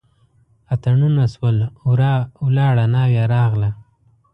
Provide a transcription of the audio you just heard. اتڼونه شول ورا لاړه ناوې راغله.